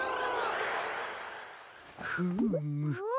フーム。